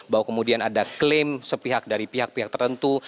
bahwa kemudian ada klaim sepihak dari pihak pihak tertentu